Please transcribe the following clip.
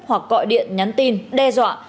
hoặc gọi điện nhắn tin đe dọa